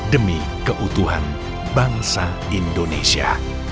demi keutuhan bangsa indonesia